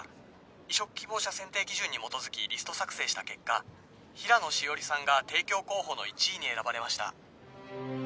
☎移植希望者選定基準に基づきリスト作成した結果☎平野汐里さんが提供候補の１位に選ばれました